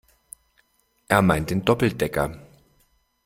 Er meint den Doppeldecker.